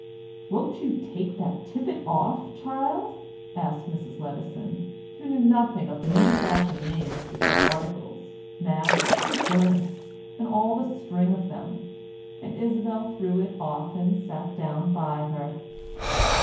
"Won't you take that tippet off, child?" asked Mrs. Levison, who knew nothing of the new fashioned names for such articles, mantles, burnous, and all the string of them; and Isabel threw it off and sat down by her.